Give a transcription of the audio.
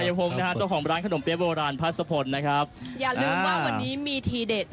อย่าลืมว่าวันนี้มีทีเดอร์